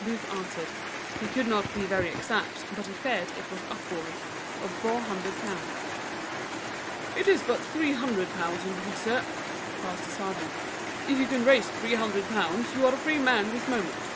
Booth answered, he could not be very exact, but he feared it was upwards of four hundred pounds. "It is but three hundred pounds, indeed, sir," cries the serjeant; "if you can raise three hundred pounds, you are a free man this moment."